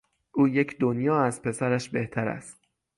او یک دنیا از پسرش بهتر است.